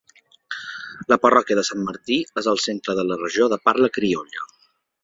La parròquia de St. Martí és el centre de la regió de parla criolla.